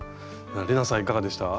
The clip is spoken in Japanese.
玲奈さんはいかがでした？